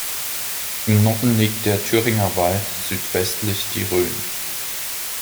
Im Norden liegt der Thüringer Wald, südwestlich die Rhön.